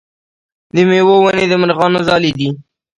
د میوو ونې د مرغانو ځالې دي.